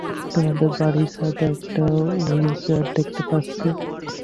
তোমাদের বাড়ির ছাদে একটা উইলচেয়ার দেখতে পাচ্ছি।